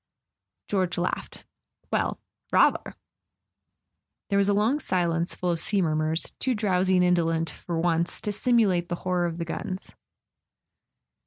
George laughed. " Well—rather !" There was a long silence full of sea murmurs, too drowsy and indolent, for once, to simulate the horror of the guns.